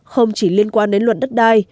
không chỉ liên quan đến luận đất đai